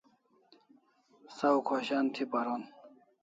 Saw khoshan thi paron